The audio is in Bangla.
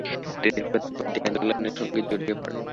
তিনি প্রতীকবাদী আন্দোলনের সঙ্গে জড়িয়ে পড়েন।